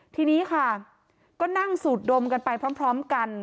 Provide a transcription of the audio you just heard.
ทีนี้ค่ะก็นั่งสูดดมกันไปพร้อมกัน